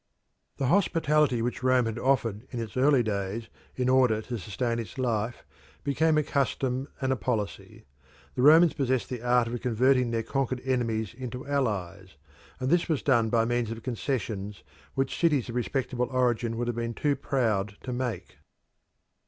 The hospitality which Rome had offered in its early days in order to sustain its life became a custom and a policy. The Romans possessed the art of converting their conquered enemies into allies, and this was done by means of concessions which cities of respectable origin would have been too proud to make.